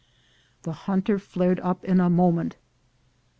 The hunter flared up in a moment.